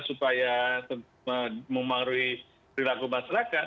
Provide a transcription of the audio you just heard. supaya memaruhi perilaku masyarakat